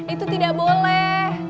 itu tidak boleh